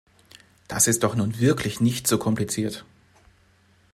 Das ist doch nun wirklich nicht so kompliziert!